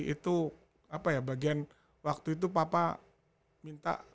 itu apa ya bagian waktu itu papa minta